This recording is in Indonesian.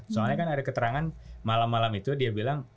soalnya kan ada keterangan malam malam itu dia bilang